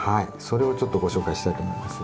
それをちょっとご紹介したいと思います。